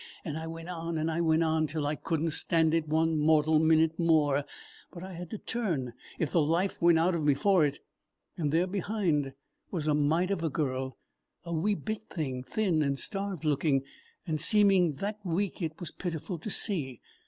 And I went on and I went on till I could n't stand it one mortal minute more; but I had to turn if the life went out of me for it. And there behind was a mite of a girl, a wee bit thing, thin and starved looking, and seeming that weak it was pitiful to see.